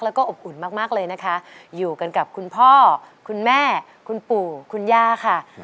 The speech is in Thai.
แล้วก็อบอุ่นมากเลยนะคะอยู่กันกับคุณพ่อคุณแม่คุณปู่คุณย่าค่ะ